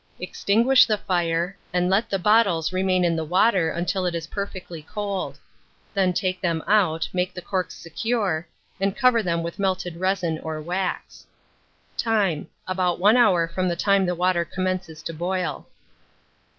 Extinguish the fire, and let the bottles remain in the water until it is perfectly cold; then take them out, make the corks secure, and cover them with melted resin or wax. Time. About 1 hour from the time the water commences to boil.